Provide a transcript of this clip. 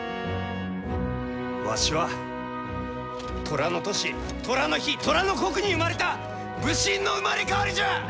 わしは寅の年寅の日寅の刻に生まれた武神の生まれ変わりじゃ！